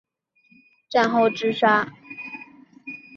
战后自杀。